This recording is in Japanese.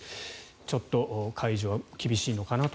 ちょっと解除、厳しいのかなと。